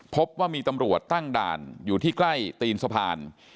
พบว่ามีตำรวจตั้งด่านอยู่ที่ใกล้ตีนสะพาน